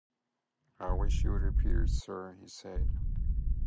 ‘I wish you would repeat it, Sir,’ he said.